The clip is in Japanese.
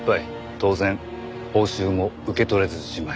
当然報酬も受け取れずじまい。